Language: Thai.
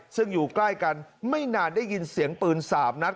ซึ่งอยู่ใกล้กันไม่นานได้ยินเสียงปืน๓นัด